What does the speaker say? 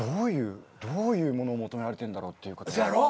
どういうものを求められてんだろうっていうことは。